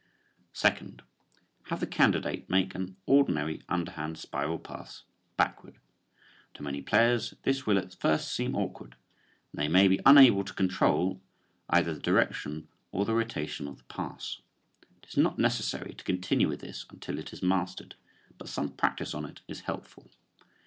Second: Have the candidate make an ordinary underhand spiral pass backward. To many players this will at first seem awkward and they may be unable to control either the direction or the rotation of the pass. It is not necessary to continue with this until it is mastered, but some practice on it is helpful.